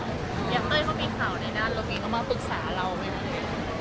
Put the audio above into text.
ไม่ได้เขามีข่าวในด้านลงนี้เขามาปรึกษาเราไหม